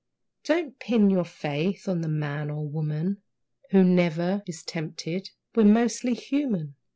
Don't pin your faith on the man or woman Who never is tempted. We're mostly human.